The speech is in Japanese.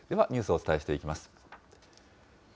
では、ニュースをお伝えしていきます。